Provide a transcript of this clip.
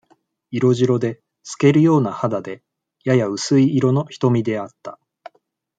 色白で、透けるような肌で、やや薄い色の瞳であった。